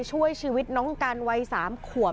ช่วยชีวิตน้องกันวัย๓ขวบ